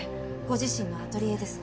ご自身のアトリエです。